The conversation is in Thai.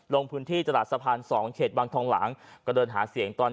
ลงพื้นที่ตลาดสะพาน๒เขตวังทองหลังก็เดินหาเสียงตอน